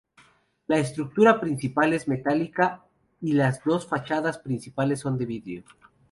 La estructura principal es metálica y las dos fachadas principales son de vidrio.